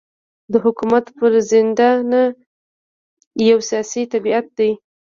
د حکومت پرځېدنه یو سیاسي طبیعت دی.